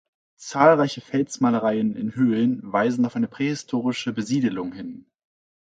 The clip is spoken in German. Zahlreiche Felsmalereien in Höhlen weisen auf eine prähistorische Besiedelung hin.